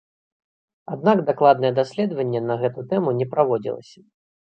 Аднак дакладнае даследаванне на гэту тэму не праводзілася.